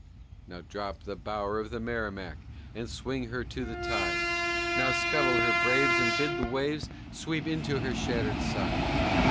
Now drop the bower of the Merrimac, And swing her to the tide. Now scuttle her, braves, and bid the waves Sweep into her shattered side!